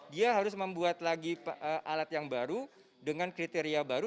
dia harus membuat lagi alat yang baru dengan kriteria baru